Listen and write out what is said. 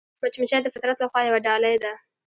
مچمچۍ د فطرت له خوا یوه ډالۍ ده